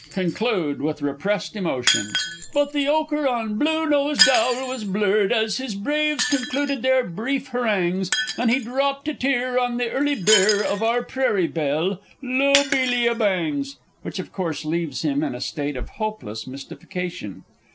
conclude with repressed emotion: But the ochre on Blue nosed Owl was blurred, as his braves concluded their brief harangues; And he dropped a tear on the early bier of our Prairie Belle, Lobelia Bangs! [_Which of course leaves him in a state of hopeless mystification.